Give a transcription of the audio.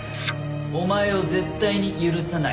「お前を絶対に許さない」。